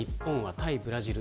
対ブラジル